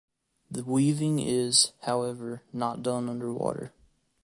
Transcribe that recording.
The weaving is, however, not done under water.